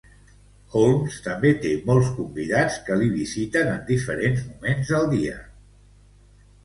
Holmes també té molts convidats que li visiten en diferents moments del dia.